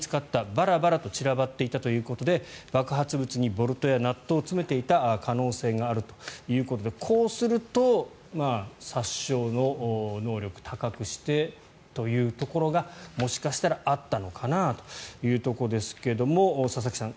バラバラと散らばっていたということで爆発物にボルトやナットを詰めていた可能性があるということでこうすると殺傷能力高くしてというところがもしかしたらあったのかなというところですが佐々木さん